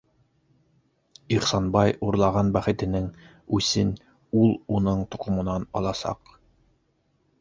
Ихсанбай урлаған бәхетенең үсен ул уның тоҡомонан аласаҡ!